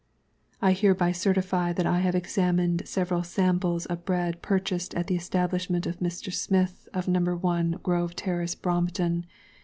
I hereby certify that I have examined several samples of Bread purchased at the Establishment of Mr. SMITH, of No. 1, GROVE TERRACE, BROMPTON.